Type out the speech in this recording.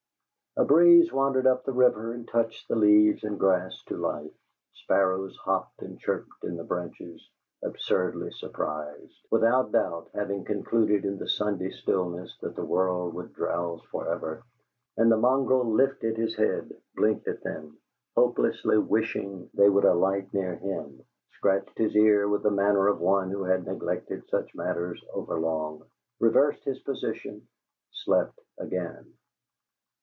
A breeze wandered up the river and touched the leaves and grass to life. Sparrows hopped and chirped in the branches, absurdly surprised; without doubt having concluded in the Sunday stillness that the world would drowse forever; and the mongrel lifted his head, blinked at them, hopelessly wishing they would alight near him, scratched his ear with the manner of one who has neglected such matters overlong; reversed his position; slept again.